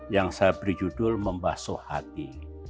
yang saya berjudul membasuh hati